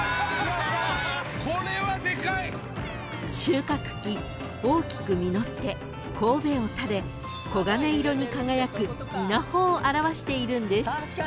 ［収穫期大きく実ってこうべを垂れ黄金色に輝く稲穂を表しているんです］